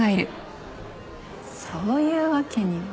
そういうわけには。